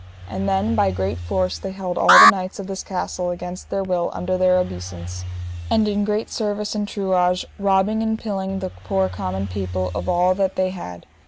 And then by great force they held all the knights of this castle against their will under their obeissance, and in great service and truage, robbing and pilling the poor common people of all that they had.